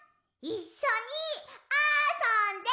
いっしょにあそんで！